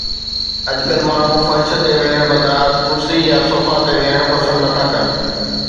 اڄڪلهه ماڻهو فرش تي ويهڻ بدران ڪرسي يا صوفا تي ويهڻ پسند نٿا ڪن